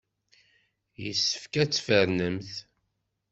Yessefk ad tfernemt.